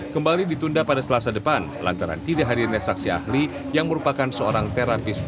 kembali ditunda pada selasa depan lantaran tidak hadirnya saksi ahli yang merupakan seorang terapis